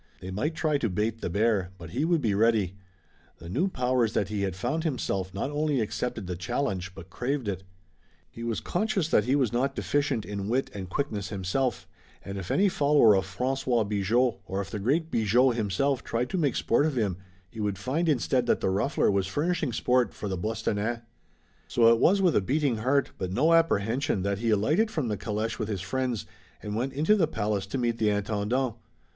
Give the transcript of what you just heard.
They might try to "bait the bear" but he would be ready. The new powers that he had found in himself not only accepted the challenge, but craved it. He was conscious that he was not deficient in wit and quickness himself, and if any follower of François Bigot, or if the great Bigot himself tried to make sport of him he might find instead that the ruffler was furnishing sport for the Bostonnais. So it was with a beating heart but no apprehension that he alighted from the caleche with his friends, and went into the palace to meet the Intendant.